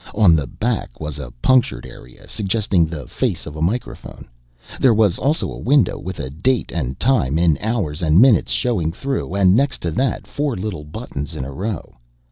On the back was a punctured area suggesting the face of a microphone; there was also a window with a date and time in hours and minutes showing through and next to that four little buttons in a row.